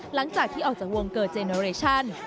หลังจากที่ออกจากวงเกอร์เจโนเรชั่น